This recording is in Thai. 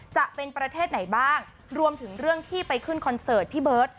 จะเป็นประเทศไหนบ้างรวมถึงเรื่องที่ไปขึ้นคอนเสิร์ตพี่เบิร์ต